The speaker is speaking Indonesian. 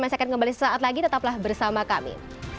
masih akan kembali sesaat lagi tetaplah bersama kami